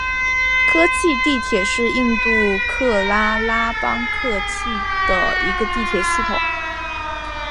科契地铁是印度喀拉拉邦科契的一个地铁系统。